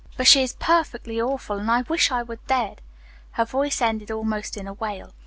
But she is perfectly awful, and I wish I were dead." Her voice ended almost in a wail.